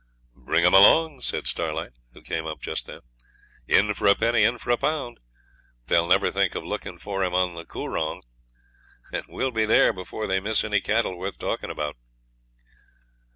'Bring him along,' said Starlight, who came up just then. 'In for a penny, in for a pound. They'll never think of looking for him on the Coorong, and we'll be there before they miss any cattle worth talking about.'